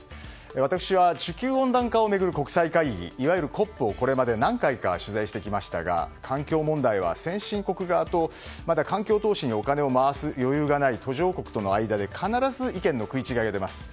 私は地球温暖化を巡る国際会議いわゆるＣＯＰを、これまで何回か取材してきましたが環境問題は先進国側とまた、環境投資にお金を回す余裕がない途上国との間で意見の食い違いが出ます。